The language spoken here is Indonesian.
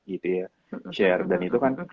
gitu ya share dan itu kan